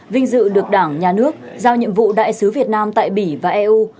vinh dự được đảng nhà nước giao nhiệm vụ đại sứ việt nam tại bỉ và eu